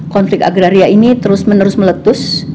konflik agraria ini terus menerus meletus